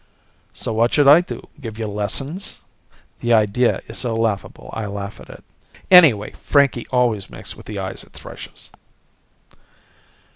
"So what should I do, give you lessons?" The idea is so laughable I laugh at it. "Anyway, Frankie always makes with the eyes at thrushes."